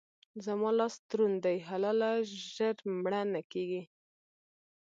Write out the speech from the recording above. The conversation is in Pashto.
زما لاس دروند دی؛ حلاله ژر مړه نه کېږي.